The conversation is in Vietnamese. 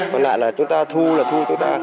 còn lại là chúng ta thu là thu